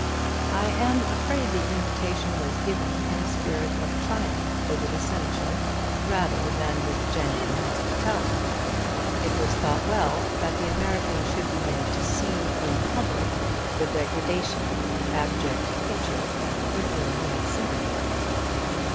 I am afraid the invitation was given in a spirit of triumph over the Senator rather than with genuine hospitality. It was thought well that the American should be made to see in public the degradation of the abject creature with whom he had sympathised.